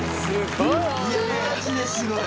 いやマジですごい！